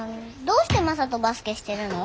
どうしてマサとバスケしてるの？